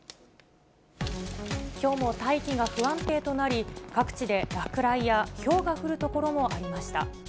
きょうも大気が不安定となり、各地で落雷やひょうが降る所もありました。